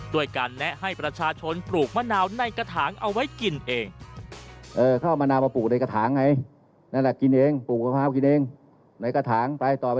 ด้วยการแนะให้ประชาชนปลูกมะนาวในกระถางเอาไว้กินเอง